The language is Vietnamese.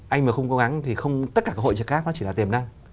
anh mà không cố gắng thì tất cả các hội trợ khác nó chỉ là tiềm năng